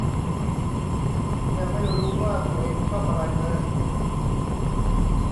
ยังไม่รู้ว่าตัวเองชอบอะไรเลย